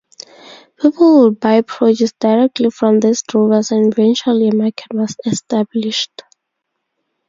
People would buy produce directly from these drovers and eventually a market was established.